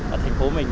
ở thành phố mình